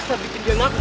ini belum loh mas